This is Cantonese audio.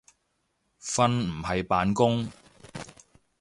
瞓唔係扮工